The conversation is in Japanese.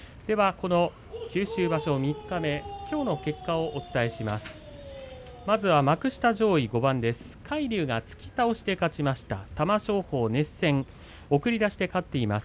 この九州場所三日目きょうの結果をお伝えします。